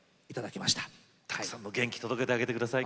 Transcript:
たくさんの元気を届けてあげてください。